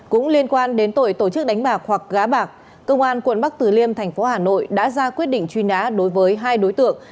cũng liên quan đến tội tổ chức đánh bạc hoặc gá bạc công an tp hà nội đã ra quyết định truy nã đối với hai đối tượng